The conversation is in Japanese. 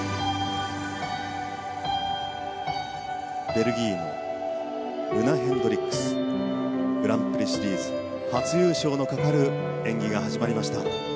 ベルギーのルナ・ヘンドリックスグランプリシリーズ初優勝のかかる、演技が始まりました。